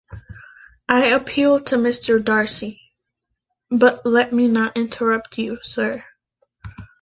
I appeal to Mr. Darcy: — but let me not interrupt you, Sir.